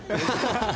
ハハハハ。